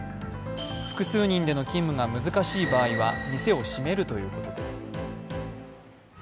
複数人での勤務が難しい場合は店を閉めるということです。